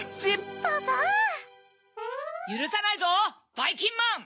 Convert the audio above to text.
ゆるさないぞばいきんまん！